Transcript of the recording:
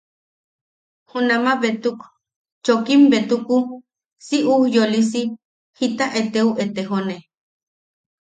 Junama betuk, chokim betuku si ujyolisi jita eteu etejone.